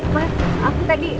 mas aku tadi